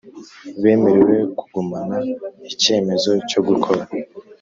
Bemerewe Kugumana icyemezo cyo gukora